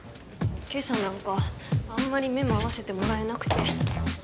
今朝なんかあんまり目も合わせてもらえなくて。